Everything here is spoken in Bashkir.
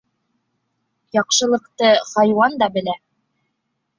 Яҡшылыҡты хайуан да белә.